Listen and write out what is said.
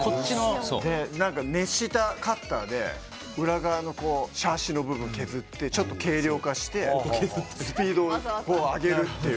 何か熱したカッターで裏側のシャーシの部分削ってちょっと軽量化してスピードを上げるっていう。